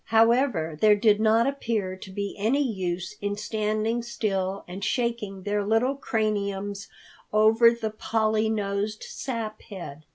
However, there did not appear to be any use in standing still and shaking their little craniums over the Polly nosed Saphead.